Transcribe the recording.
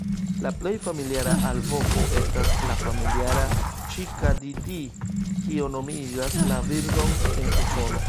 La plej familiara alvoko estas la familiara "ĉik-a-di-di-di" kio nomigas la birdon en Usono.